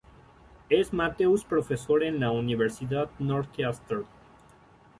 Es Matthews profesora en la Universidad Northeastern.